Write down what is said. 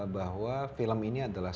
bahwa film ini adalah